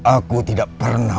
aku tidak pernah